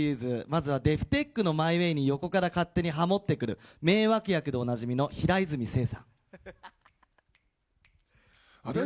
まずはデフテックの「Ｍｙｗａｙ」に横から勝手にハモってくる名脇役でおなじみの平泉成さん。